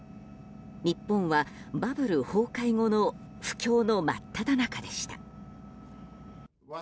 日本はバブル崩壊後の不況の真っただ中でした。